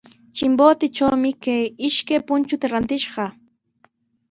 Chimbotetrawmi kay ishkay punchuta rantishqaa.